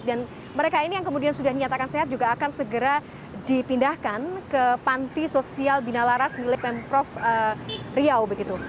dan mereka ini yang kemudian sudah dinyatakan sehat juga akan segera dipindahkan ke panti sosial binalaras milik pemprov trio begitu